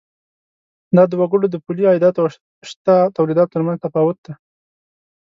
دا د وګړو د پولي عایداتو او شته تولیداتو تر مینځ تفاوت دی.